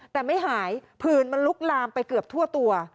แต่ไม่หายผื่นมันลุกลามไปเกือบทั่วตัว